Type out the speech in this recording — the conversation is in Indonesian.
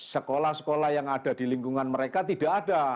sekolah sekolah yang ada di lingkungan mereka tidak ada